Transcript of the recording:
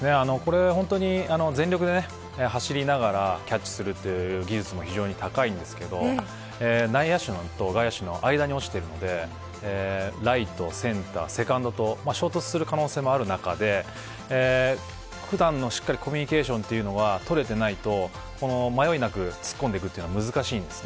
全力で走りながらキャッチするという技術も非常に高いのですが内野手と外野手の間に落ちているのでライト、センター、セカンドと衝突する可能性もある中で普段のコミュニケーションというのがしっかり取れていないと迷いなく突っ込んでいくというのは難しいです。